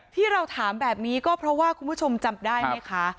ที่เราถามแบบนี้ก็เพราะว่าคุณผู้ชมจำได้ไหมคะ